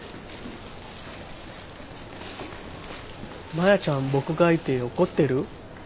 マヤちゃん僕がいて怒ってる？